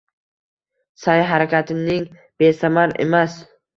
Sa’y-harakating besamar emas.